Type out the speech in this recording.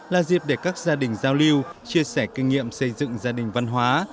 là dịp để các gia đình giao lưu chia sẻ kinh nghiệm xây dựng gia đình văn hóa